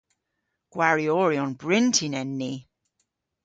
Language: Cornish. Gwarioryon bryntin en ni.